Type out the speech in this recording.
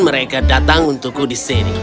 mereka datang untukku di sini